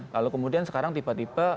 lalu kemudian sekarang tiba tiba